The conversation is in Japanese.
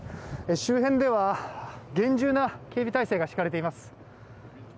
周辺では厳重な警備態勢が敷かれています。